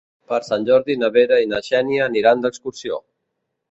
Per Sant Jordi na Vera i na Xènia aniran d'excursió.